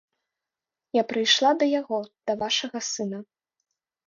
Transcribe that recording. Я прыйшла да яго, да вашага сына.